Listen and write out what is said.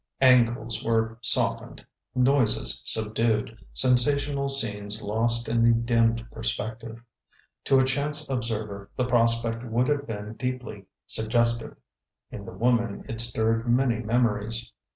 Angles were softened, noises subdued, sensational scenes lost in the dimmed perspective. To a chance observer, the prospect would have been deeply suggestive; in the woman it stirred many memories.